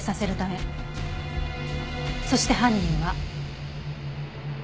そして犯人は。